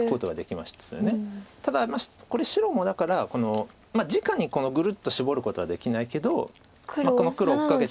ただこれ白もだからじかにグルッとシボることはできないけどこの黒を追っかけて。